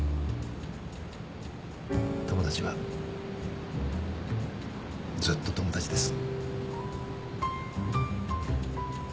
友達はずっと友達です。